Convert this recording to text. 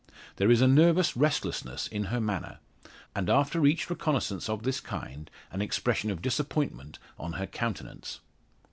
There is a nervous restlessness in her manner, and after each reconnaissance of this kind, an expression of disappointment on her countenance.